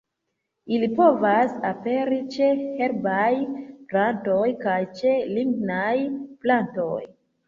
Ili povas aperi ĉe herbaj plantoj kaj ĉe lignaj plantoj.